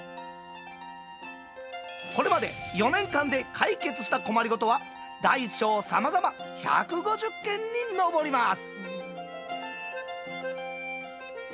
これまで４年間で解決した困りごとは大小さまざま１５０件に上ります。